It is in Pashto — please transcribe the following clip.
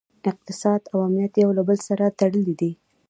اقتصاد او امنیت یو له بل سره تړلي دي